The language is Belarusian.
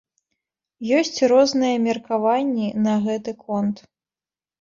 Ёсць розныя меркаванні на гэты конт.